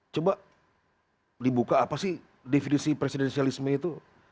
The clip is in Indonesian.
coba dibuka apa sih definisi presidensialisme itu